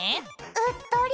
「うっとり！」。